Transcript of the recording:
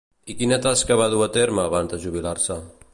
I quina tasca va dur a terme abans de jubilar-se?